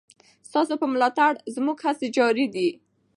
ستاسو په ملاتړ زموږ هڅې جاري دي.